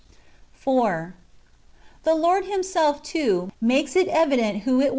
4. The Lord Himself, too, makes it evident who it was 1 Jer.